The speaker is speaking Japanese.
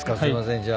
じゃあ。